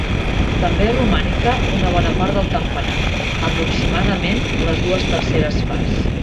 També és romànica una bona part del campanar, aproximadament les dues terceres parts.